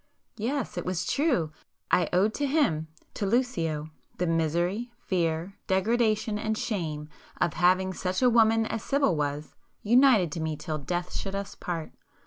Yes, it was true!—I owed to him, to Lucio, the misery, fear, degradation and shame of having such a woman as Sibyl was, united to me till death should us part.